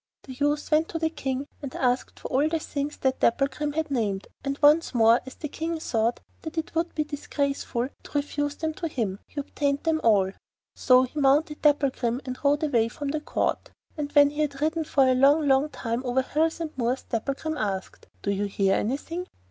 The youth went to the King and asked for all the things that Dapplegrim had named, and once more, as the King thought that it would be disgraceful to refuse them to him, he obtained them all. So he mounted Dapplegrim and rode away from the Court, and when he had ridden for a long, long time over hills and moors, Dapplegrim asked: 'Do you hear anything?